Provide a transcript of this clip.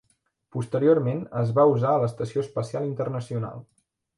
Posteriorment es va usar a l'Estació Espacial Internacional.